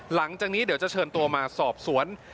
หลังจากนี้เดี๋ยวจะเชิญตัวมาสอบสวน